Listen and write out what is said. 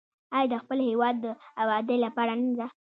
آیا د خپل هیواد د ابادۍ لپاره نه ده؟